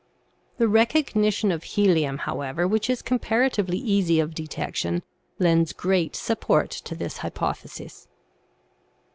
Tie recognition of helium however, which is compara tively easy of detection, lends great support to this hypo thesis."